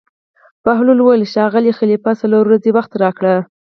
بهلول وویل: ښاغلی خلیفه څلور ورځې وخت راکړه.